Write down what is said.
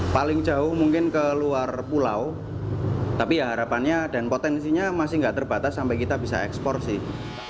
paling jauh mungkin ke luar pulau tapi ya harapannya dan potensinya masih nggak terbatas sampai kita bisa ekspor sih